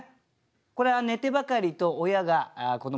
これは「寝てばかりと親がこどもの日」。